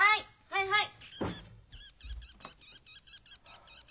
はいはい！